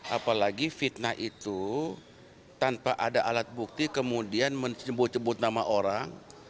apalagi fitnah itu tanpa ada alat bukti kemudian menyebut nyebut nama orang